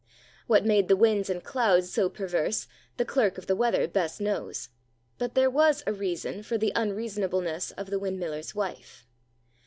What made the winds and clouds so perverse, the clerk of the weather best knows; but there was a reason for the unreasonableness of the windmiller's wife.